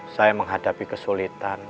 saya menghadapi kesulitan